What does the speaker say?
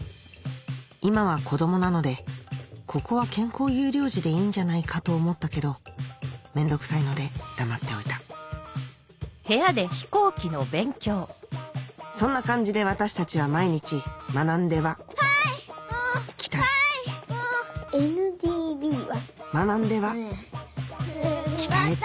今は子供なのでここは「健康優良児」でいいんじゃないかと思ったけどめんどくさいので黙っておいたそんな感じで私たちは毎日学んでは鍛え学んでは鍛え続けた